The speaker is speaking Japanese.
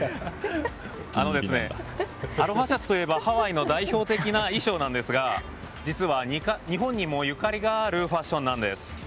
アロハシャツといえばハワイの代表的な衣装ですが実は日本にもゆかりがあるファッションなんです。